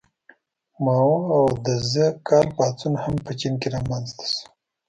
مائو او د ز کال پاڅون هم په چین کې رامنځته شو.